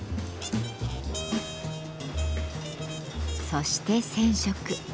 そして染色。